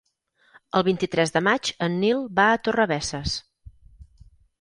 El vint-i-tres de maig en Nil va a Torrebesses.